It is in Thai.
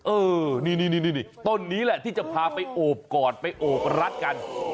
เออนี่ต้นนี้แหละที่จะพาไปโอบกอดไปโอบรัดกัน